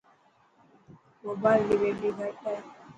موبال ري بيٽري گھٽ هي.